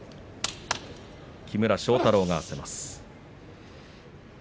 木村庄太郎が合わせます。